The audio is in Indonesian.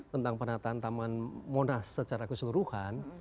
tentang penataan taman monas secara keseluruhan